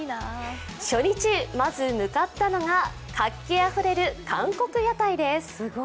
初日、まず向かったのが活気あふれる韓国屋台です。